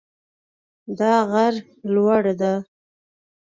دا غر لوړ ده